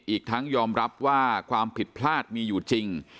อีกทั้งยอมรับว่าความผิดพลาดมีอยู่จริง